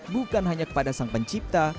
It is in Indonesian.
bukan hanya kepada sang pencipta